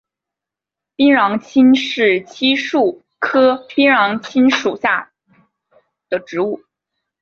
槟榔青是漆树科槟榔青属的植物。